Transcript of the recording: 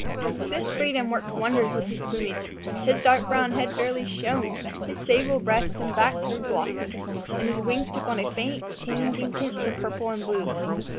This freedom worked wonders with his plumage. His dark brown head fairly shone, his sable breast and back grew glossy, and his wings took on faint, changing tints of purple and blue.